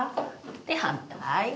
で反対。